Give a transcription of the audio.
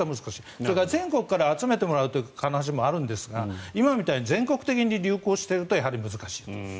それから全国から集めるという話もあるんですが今みたいに全国的に流行していると難しいです。